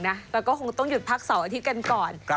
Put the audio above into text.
แล้วก็คงต้องหยุดพักเสาร์อาทิตย์กันก่อน